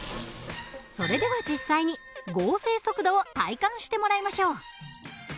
それでは実際に合成速度を体感してもらいましょう。